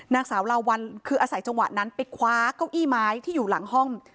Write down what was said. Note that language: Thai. นางสาวลาวัลคืออาศัยจังหวะนั้นไปคว้าเก้าอี้ไม้ที่อยู่หลังห้อง